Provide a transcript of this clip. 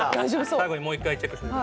最後にもう一回チェックして。